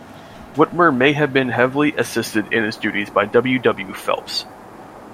Whitmer may have been heavily assisted in his duties by W. W. Phelps.